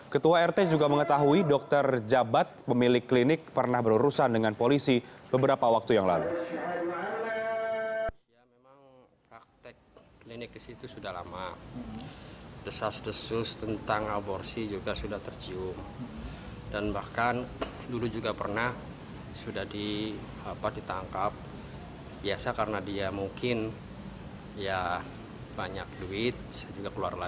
ketua rt juga mengetahui dokter jabat pemilik klinik pernah berurusan dengan polisi beberapa waktu yang lalu